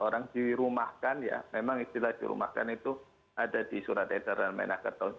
yang dirumahkan ya memang istilah dirumahkan itu ada di surat esar dan menakar tahun seribu sembilan ratus sembilan puluh delapan